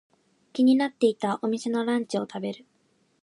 気になっていたお店のランチを食べる。